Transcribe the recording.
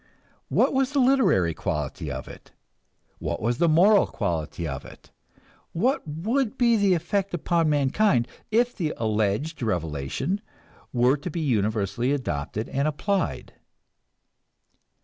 What was the literary quality of it? What was the moral quality of it? What would be the effect upon mankind if the alleged revelation were to be universally adopted and applied?